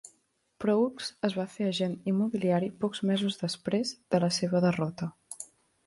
Proulx es va fer agent immobiliari pocs mesos després de la seva derrota.